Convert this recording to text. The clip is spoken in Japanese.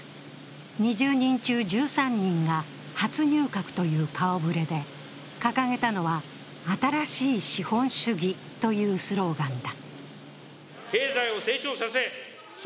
２０人中１３人が初入閣という顔ぶれで掲げたのは新しい資本主義というスローガンだ。